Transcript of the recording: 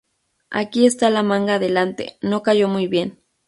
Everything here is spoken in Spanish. Aquí está la manga delante "No cayó muy bien".